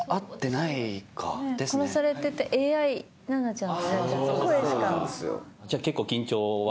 じゃ結構緊張は。